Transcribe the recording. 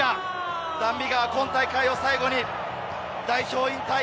ダン・ビガーは今大会を最後に代表引退。